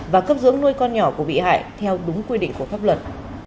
và cấp dưỡng nuôi con nhỏ của bị hại theo đúng quy định của pháp luật